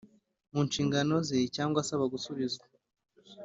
Mu nshingano ze cyangwa asaba gusubizwa